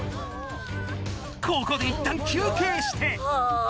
ここでいったん休憩して。